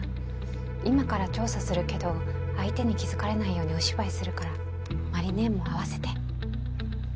今から調査するけど相手に気付かれないようにお芝居するから麻里姉も合わせて。